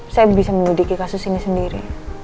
saya bisa menyelidiki kasus ini sendiri